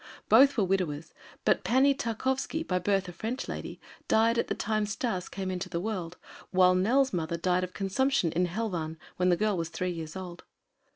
Both were widowers, but Pani Tarkowski, by birth a French lady, died at the time Stas came into the world, while Nell's mother died of consumption in Helwan when the girl was three years old.